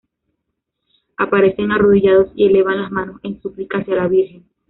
Aparecen arrodillados y elevan las manos en súplica hacia la Virgen.